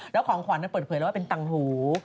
แล้วของขวัญเปิดเผยแล้วว่าเป็นตังหู